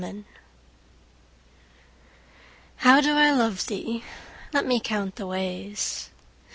XLIII How do I love thee? Let me count the ways.